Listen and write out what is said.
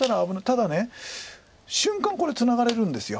ただ瞬間これツナがれるんです。